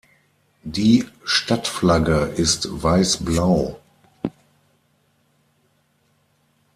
Die Stadtflagge ist Weiß-Blau.